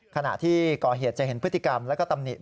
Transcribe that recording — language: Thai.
ขณะที่ก่อเหตุจะเห็นพฤติกรรมแล้วก็ตำหนิ